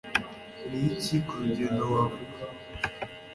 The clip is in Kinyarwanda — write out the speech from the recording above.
niki, kurugero, wavuga